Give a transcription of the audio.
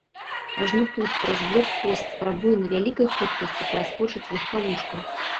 Ажно тут праз блокпост спрабуе на вялікай хуткасці праскочыць легкавушка.